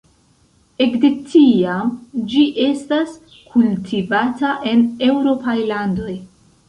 Ekde tiam ĝi estas kultivata en eŭropaj landoj.